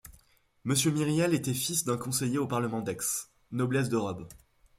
Monsieur Myriel était fils d’un conseiller au parlement d’Aix ; noblesse de robe.